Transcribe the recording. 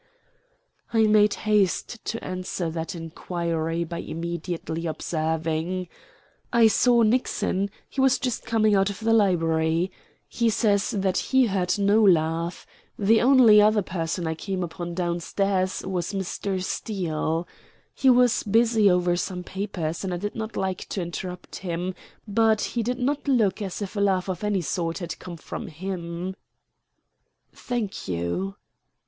I made haste to answer that inquiry by immediately observing: "I saw Nixon. He was just coming out of the library. He says that he heard no laugh. The only other person I came upon down stairs was Mr. Steele. He was busy over some papers and I did not like to interrupt him; but he did not look as if a laugh of any sort had come from him." "Thank you."